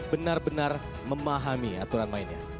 benar benar memahami aturan mainnya